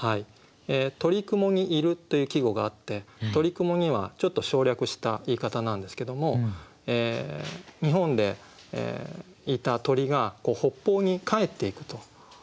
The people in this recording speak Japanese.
「鳥雲に入る」という季語があって「鳥雲に」はちょっと省略した言い方なんですけども日本でいた鳥が北方に帰っていくと。